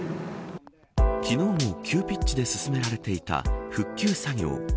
昨日も急ピッチで進められていた復旧作業。